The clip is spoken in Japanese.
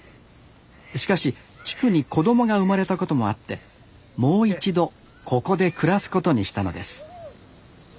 しかし地区に子どもが生まれたこともあってもう一度ここで暮らすことにしたのです